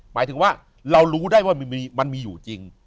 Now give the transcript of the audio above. หมายถึงว่าเรารู้ได้ว่ามันมีอยู่จริง